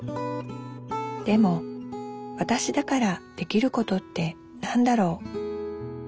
でもわたしだからできることって何だろう？